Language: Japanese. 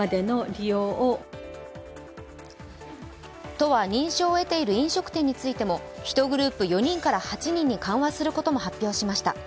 都は認証を得ている飲食店についても１グループ４人から８人に緩和することも発表しました。